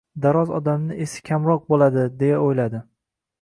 «Daroz odamni esi kamroq bo‘ladi, — deya o‘yladi.